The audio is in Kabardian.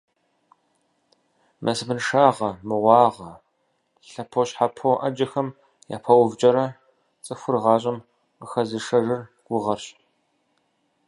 Насыпыншагъэ, мыгъуагъэ, лъэпощхьэпо Ӏэджэхэм япэувкӀэрэ, цӀыхур гъащӀэм къыхэзышэжыр гугъэрщ.